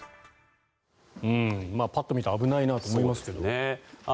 パッと見て危ないなと思いますけども。